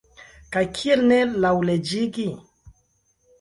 Kaj kial ne laŭleĝigi?